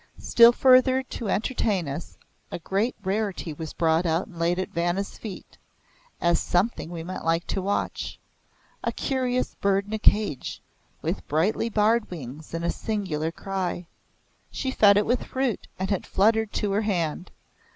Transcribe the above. Still further to entertain us a great rarity was brought out and laid at Vanna's feet as something we might like to watch a curious bird in a cage, with brightly barred wings and a singular cry. She fed it with fruit, and it fluttered to her hand.